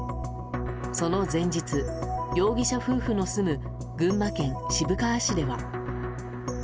その前日、容疑者夫婦の住む群馬県渋川市では。